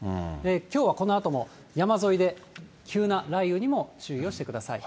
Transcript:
きょうはこのあとも山沿いで急な雷雨にも注意をしてください。